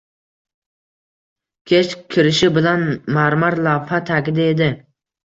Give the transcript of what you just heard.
Kech kirishi bilan marmar lavha tagida edi.